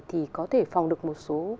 thì có thể phòng được một số